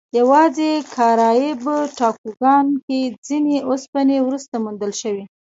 یواځې کارایب ټاپوګانو کې ځینې اوسپنې وروسته موندل شوې.